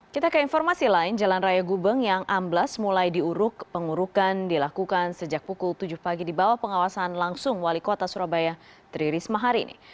kita ke informasi lain jalan raya gubeng yang amblas mulai diuruk pengurukan dilakukan sejak pukul tujuh pagi di bawah pengawasan langsung wali kota surabaya tri risma hari ini